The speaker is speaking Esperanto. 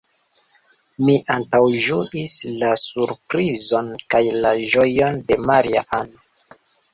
Mi antaŭĝuis la surprizon kaj la ĝojon de Maria-Ann.